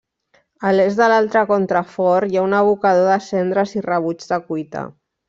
A l'est de l'altre contrafort hi ha un abocador de cendres i rebuig de cuita.